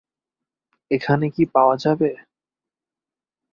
এখানে কি পাওয়া যাবে?